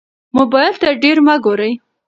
موبایل ته ډېر مه ګورئ.